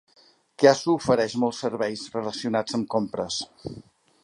Chiasso ofereix molts serveis relacionats amb compres.